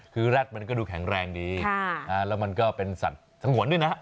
คือแร็ดมันก็ดูแข็งแรงดีแล้วมันก็เป็นสัตว์สงวนด้วยนะ